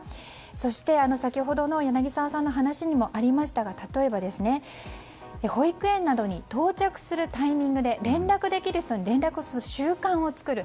そして、先ほどの柳澤さんの話にもありましたが例えば、保育園などに到着するタイミングで連絡できる人に連絡する習慣を作る。